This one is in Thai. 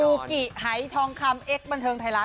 ูกิหายทองคำเอ็กซบันเทิงไทยรัฐ